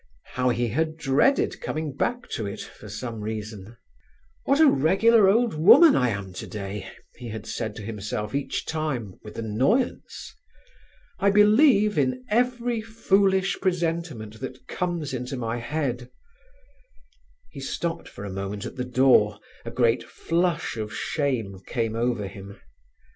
How he had dreaded coming back to it, for some reason. "What a regular old woman I am today," he had said to himself each time, with annoyance. "I believe in every foolish presentiment that comes into my head." He stopped for a moment at the door; a great flush of shame came over him.